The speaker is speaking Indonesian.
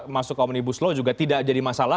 masuk omnibus law juga tidak jadi masalah